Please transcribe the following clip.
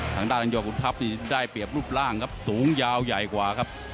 ทางด้านยอดขุนทัพนี่ได้เปรียบรูปร่างครับสูงยาวใหญ่กว่าครับ